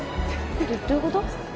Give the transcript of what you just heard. どどういうこと？